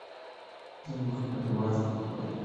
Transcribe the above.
زموږ په هېواد کې د بادونو کچه زیاته ده.